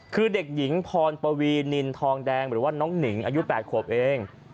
คือเด็กหญิงพรปวีนินทองแดงหรือว่าน้องหนิงอายุ๘ขวบเอง